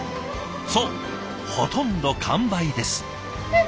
そうほとんど完売です。